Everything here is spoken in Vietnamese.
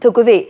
thưa quý vị